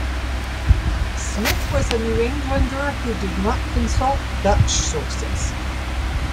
Smith was a New Englander, who did not consult Dutch sources.